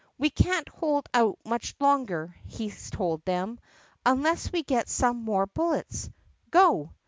"We can't hold out much longer," he told them, "unless we get some more bullets. Go!"